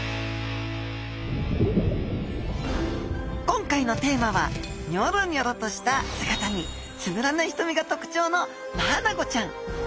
今回のテーマはニョロニョロとした姿につぶらなひとみがとくちょうのマアナゴちゃん。